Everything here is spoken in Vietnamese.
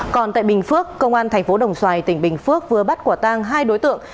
còn tại bình phước công an tp đồng xoài tỉnh bình phước vừa bắt quả tăng hai đối tượng